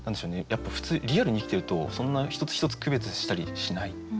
やっぱ普通リアルに生きてるとそんな一つ一つ区別したりしない。